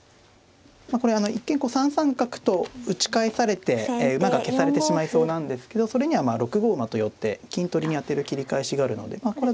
まあこれ一見こう３三角と打ち返されて馬が消されてしまいそうなんですけどそれには６五馬と寄って金取りに当てる切り返しがあるのでまあ